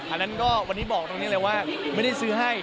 อันนั้นก็วันนี้บอกตรงนี้เลยว่าไม่ได้ซื้อให้